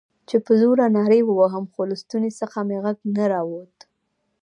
چې په زوره نارې ووهم، خو له ستوني څخه مې غږ نه راووت.